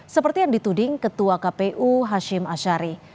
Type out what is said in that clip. seperti yang dituding ketua kpu hashim ashari